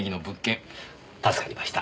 助かりました。